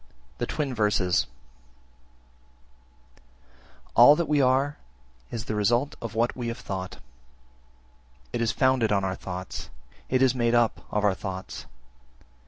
The Twin Verses 1. All that we are is the result of what we have thought: it is founded on our thoughts, it is made up of our thoughts.